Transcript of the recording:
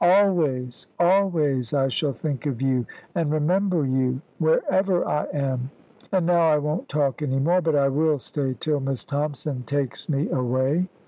"Always, always, I shall think of you and remember you, wherever I am. And now I won't talk any more, but I will stay till Miss Thompson takes me away."